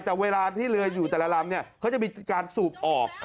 แต่เวลาที่เรืออยู่แต่ละลำเนี่ยเขาจะมีการสูบออก